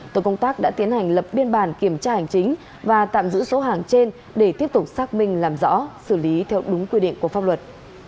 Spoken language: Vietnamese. tổ công tác đã tiến hành lập biên bản kiểm tra hành chính và tạm giữ số hàng trên để tiếp tục xác minh làm rõ xử lý theo đúng quy định của pháp luật